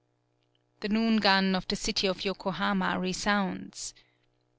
The noon gun of the city of Yoko hama resounds.